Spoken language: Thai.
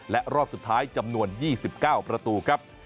และรอบสุดท้ายจำนวน๒๙ประตูครับ